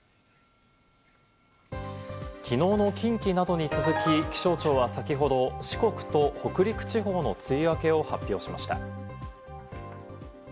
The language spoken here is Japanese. きのうの近畿などに続き、気象庁は先ほど、四国と北陸地方の梅雨明けを発表しました。